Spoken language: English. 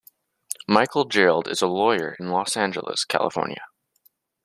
Michael Gerald is a lawyer in Los Angeles, California.